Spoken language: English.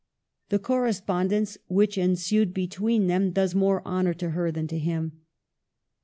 The correspondence which ensued between them does more honor to her than to him.